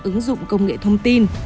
ứng dụng công nghệ thông tin